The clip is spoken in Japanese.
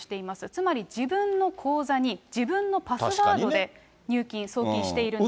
つまり自分の口座に自分のパスワードで入金、送金しているんだと。